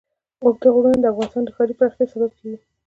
اوږده غرونه د افغانستان د ښاري پراختیا سبب کېږي.